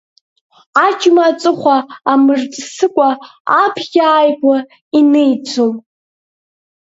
Аџьма аҵыхәа амырҵысыкәа абаӷь ааигәа инеиӡом!